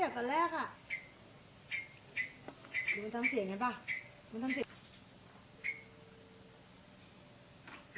ตอนแรกอ่ะมันทำเสียงเห็นป่ะมันทำเสียง